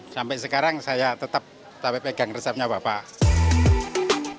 sampai sekarang saya tetap tapi pegang resepnya bapak